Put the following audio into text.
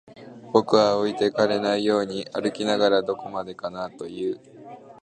僕は置いてかれないように歩きながら、どこまでかなと言う